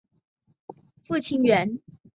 父亲袁。